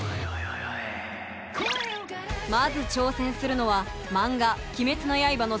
まず挑戦するのはマンガ「鬼滅の刃」の